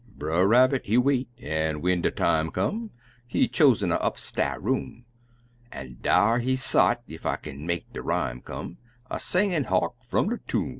Brer Rabbit, he wait, an' when de time come He choosened a upsta's room, An' dar he sot (ef I kin make de rhyme come) A singin' "Hark fum de Toom"!